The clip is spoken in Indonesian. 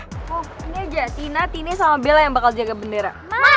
ini aja tina tine sama bella yang bakal jaga bendera